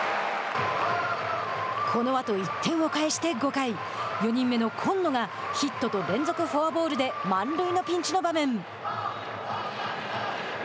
このあと１点を返して５回、４人目の今野がヒットと連続フォアボールで満塁のピンチの場面。